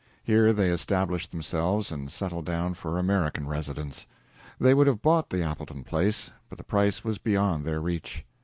Here they established themselves and settled down for American residence. They would have bought the Appleton place, but the price was beyond their reach.